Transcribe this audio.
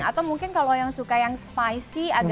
atau mungkin kalau yang suka yang spicy